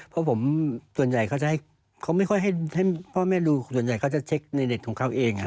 เพราะผมส่วนใหญ่เขาจะให้เขาไม่ค่อยให้พ่อแม่ดูส่วนใหญ่เขาจะเช็คในเน็ตของเขาเอง